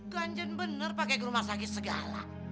ganjen bener pake gerumah sakit segala